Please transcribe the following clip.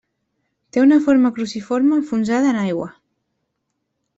Té una forma cruciforme enfonsada en aigua.